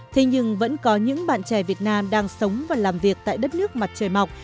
thế nhưng vẫn có những bạn trẻ việt nam đang sống và làm việc tại đất nước mặt trời mọc